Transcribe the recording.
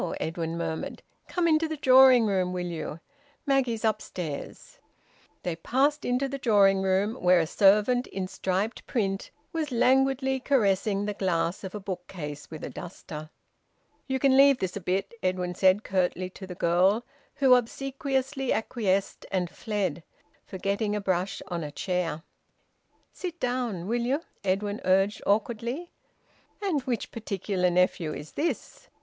Edwin murmured. "Come into the drawing room, will you? Maggie's upstairs." They passed into the drawing room, where a servant in striped print was languidly caressing the glass of a bookcase with a duster. "You can leave this a bit," Edwin said curtly to the girl, who obsequiously acquiesced and fled, forgetting a brush on a chair. "Sit down, will you?" Edwin urged awkwardly. "And which particular nephew is this?